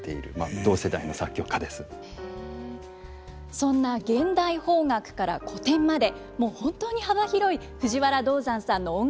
そんな現代邦楽から古典まで本当に幅広い藤原道山さんの音楽